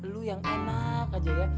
lu yang enak aja ya